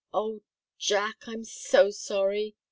"Oh, Jack I'm so sorry!"